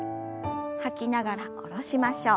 吐きながら下ろしましょう。